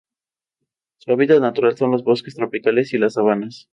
Planta con cepa poco ramificada.